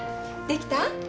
できた？